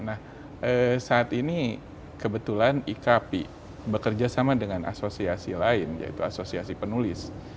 nah saat ini kebetulan ikp bekerja sama dengan asosiasi lain yaitu asosiasi penulis